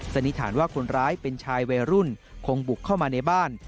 นิษฐานว่าคนร้ายเป็นชายวัยรุ่นคงบุกเข้ามาในบ้าน